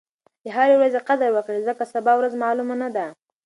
د هرې ورځې قدر وکړئ ځکه سبا ورځ معلومه نه ده.